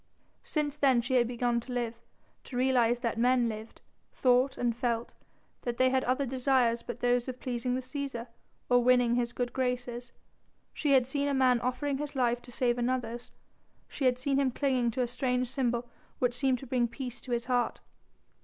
Since then she had begun to live, to realise that men lived, thought and felt, that they had other desires but those of pleasing the Cæsar or winning his good graces. She had seen a man offering his life to save another's, she had seen him clinging to a strange symbol which seemed to bring peace to his heart.